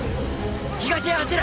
東へ走れ！！